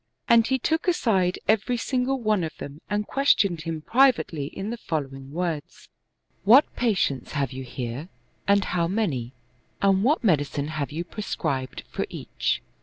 And he took aside every single one of them and questioned him privately in the following words: "What patients have you here, and how many, and what medicine 179 Oriental Mystery Stories have you prescribed for each?"